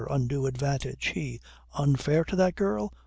Undue advantage! He! Unfair to that girl?